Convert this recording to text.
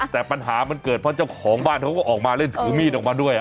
แต่ปัญหามันเกิดเพราะเจ้าของบ้านเขาก็ออกมาเล่นถือมีดออกมาด้วย